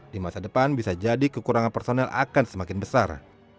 di masa depan bisa jadi kekurangan personel akan semakin besar